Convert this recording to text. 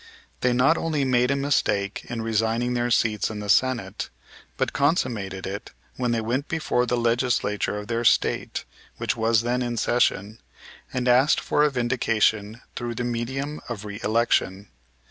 They not only made a mistake in resigning their seats in the Senate, but consummated it when they went before the Legislature of their State, which was then in session, and asked for a vindication through the medium of reëlection.